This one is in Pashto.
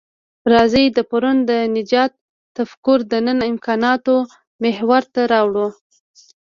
راځئ د پرون د نجات تفکر د نن امکاناتو محور ته راوړوو.